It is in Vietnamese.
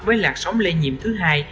với lạc sóng lây nhiệm thứ hai